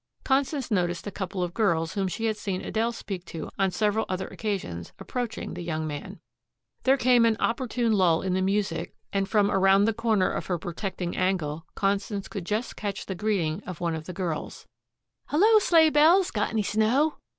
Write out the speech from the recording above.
Constance noticed a couple of girls whom she had seen Adele speak to on several other occasions approaching the young man. There came an opportune lull in the music and from around the corner of her protecting angle Constance could just catch the greeting of one of the girls, "Hello, Sleighbells! Got any snow!"